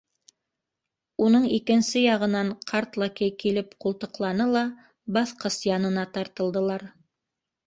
Уның икенсе яғынан ҡарт лакей килеп ҡултыҡланы ла, баҫҡыс янына тартылдылар.